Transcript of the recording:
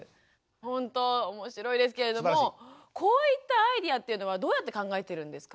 ほんとおもしろいですけれどもこういったアイデアっていうのはどうやって考えてるんですか？